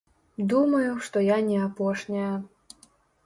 Думаю, што я не апошняя.